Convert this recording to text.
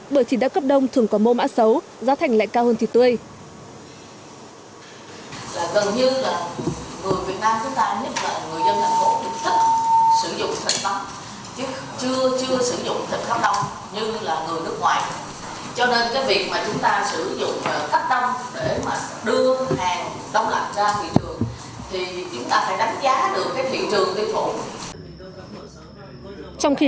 bởi thịt đá cấp đông thường có mô mã xấu giá thành lại cao hơn thịt tươi